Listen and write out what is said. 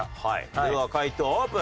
では解答オープン！